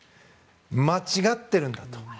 間違ってるんだと。